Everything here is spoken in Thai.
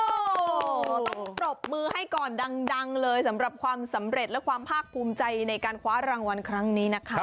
โอ้โหต้องปรบมือให้ก่อนดังเลยสำหรับความสำเร็จและความภาคภูมิใจในการคว้ารางวัลครั้งนี้นะคะ